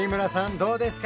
どうですか？